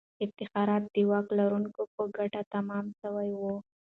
افتخارات د واک لرونکو په ګټه تمام سوي وو.